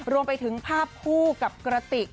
รวมไปถึงภาพคู่กับกระติก